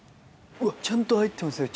うわちゃんと入ってますよ